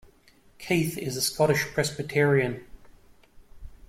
Keith is a Scottish Presbyterian.